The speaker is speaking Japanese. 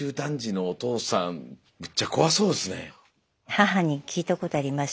母に聞いたことありますよ。